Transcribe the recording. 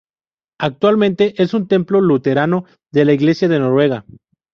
Actualmente es un templo luterano de la Iglesia de Noruega.